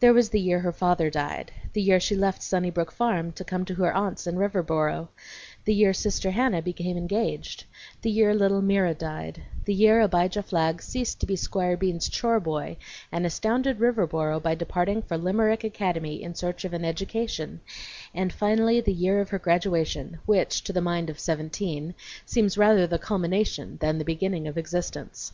There was the year her father died; the year she left Sunnybrook Farm to come to her aunts in Riverboro; the year Sister Hannah became engaged; the year little Mira died; the year Abijah Flagg ceased to be Squire Bean's chore boy, and astounded Riverboro by departing for Limerick Academy in search of an education; and finally the year of her graduation, which, to the mind of seventeen, seems rather the culmination than the beginning of existence.